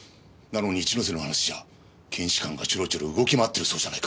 なのに一ノ瀬の話じゃ検視官がチョロチョロ動き回ってるそうじゃないか。